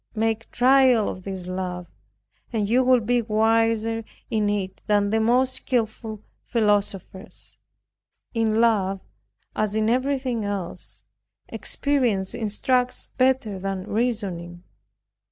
Make trial of this love, and you will be wiser in it than the most skillful philosophers. In love, as in everything else, experience instructs better than reasoning.